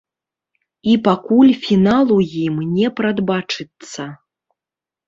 І пакуль фіналу ім не прадбачыцца.